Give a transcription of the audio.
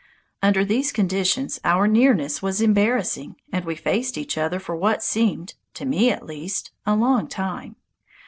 Under these conditions our nearness was embarrassing, and we faced each other for what seemed, to me at least, a long time.